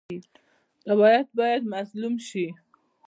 روایت باید د مظلوم شي.